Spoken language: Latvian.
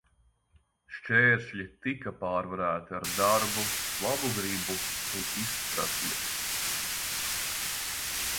Šķēršļi tika pārvarēti ar darbu, labu gribu un izpratni.